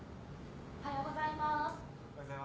・おはようございます。